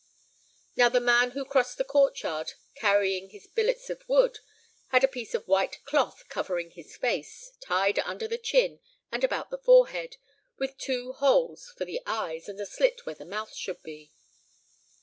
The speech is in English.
Now the man who crossed the court yard, carrying his billets of wood, had a piece of white cloth covering his face, tied under the chin and about the forehead, with two holes for the eyes and a slit where the mouth should be.